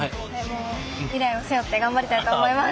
未来を背負って頑張りたいと思います。